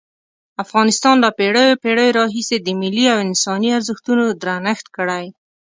افغانستان له پېړیو پېړیو راهیسې د ملي او انساني ارزښتونو درنښت کړی.